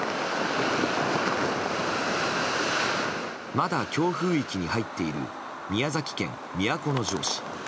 まだ強風域に入っている宮崎県都城市。